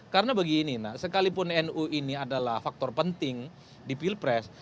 karena begini sekalipun nu ini adalah faktor penting di pilpres